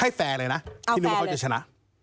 แฟร์เลยนะที่นึกว่าเขาจะชนะ